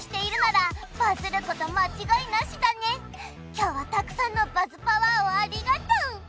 今日はたくさんのバズパワーをありがとう！